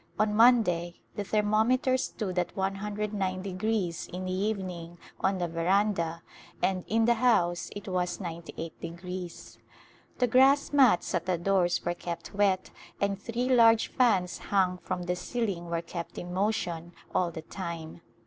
On Mon day the thermometer stood at 109° in the evening on the veranda and in the house it was 98°. The grass mats at the doors were kept wet and three large fans hung from the ceiling were kept in motion all the time.